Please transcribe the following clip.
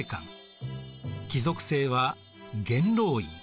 貴族政は元老院。